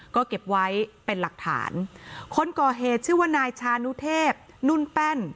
ก็เก็บไว้เป็นหลักฐานคนก่อเหตุชื่อว่านายชานุเทพนุ่นแป้น